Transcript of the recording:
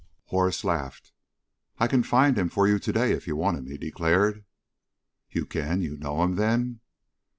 Horace laughed. "I can find him for you to day, if you want him," he declared. "You can? You know him, then?"